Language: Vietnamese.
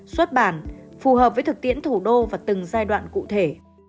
xuất bản phù hợp với thực tiễn thủ đô và từng giai đoạn cụ thể